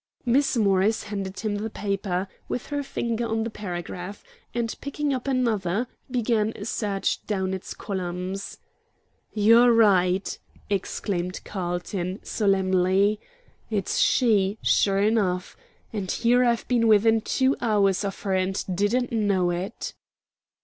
Miss Morris handed him the paper, with her finger on the paragraph, and picking up another, began a search down its columns. "You are right," exclaimed Carlton, solemnly; "it's she, sure enough. And here I've been within two hours of her and didn't know it?"